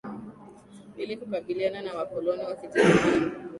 ili kukabiliana na wakoloni wa kijerumani